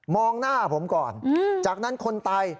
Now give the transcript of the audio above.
หน้าผมก่อนจากนั้นคนตาย